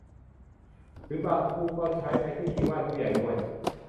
หรือบางคู่ก็ใช้ในพิธีไหว้ผู้ใหญ่ด้วย